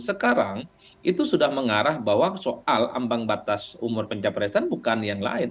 sekarang itu sudah mengarah bahwa soal ambang batas umur pencapresan bukan yang lain